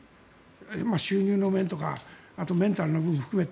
収入の面とかメンタルの面も含めて。